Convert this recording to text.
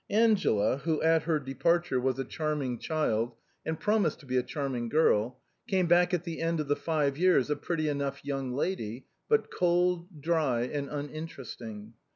Angela, who at her departure was a charming child, and promised to be a charming girl, came back at the end of five years a pretty enough young lady, but cold, dry and uninteresting.